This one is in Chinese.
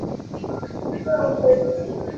与基隆市政治人物宋玮莉为亲戚关系。